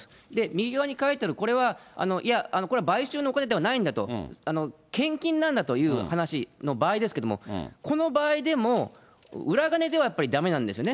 右側に書いてある、これは、いや、これは買収のお金ではないんだと、献金なんだという話の場合ですけども、この場合でも、裏金ではやっぱりだめなんですよね。